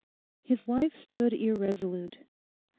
His wife stood irresolute.